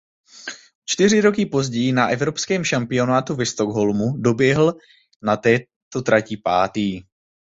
O čtyři roky později na evropském šampionátu v Stockholmu doběhl na této trati pátý.